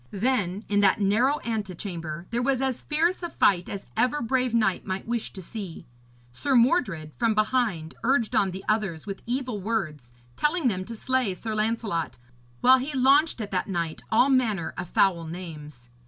Then in that narrow antechamber there was as fierce a fight as ever brave knight might wish to see. Sir Mordred from behind urged on the others with evil words, telling them to slay Sir Lancelot; while he launched at that knight all manner of foul names.